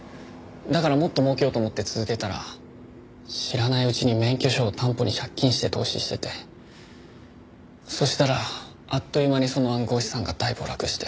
だからもっと儲けようと思って続けたら知らないうちに免許証を担保に借金して投資しててそしたらあっという間にその暗号資産が大暴落して。